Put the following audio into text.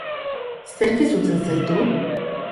Zerk izutzen zaitu?